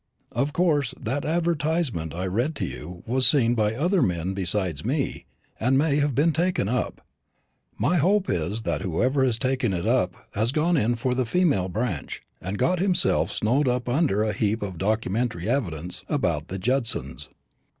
Of course, that advertisement I read to you was seen by other men besides me, and may have been taken up. My hope is that whoever has taken it up has gone in for the female branch, and got himself snowed up under a heap of documentary evidence about the Judsons.